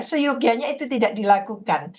seyogianya itu tidak dilakukan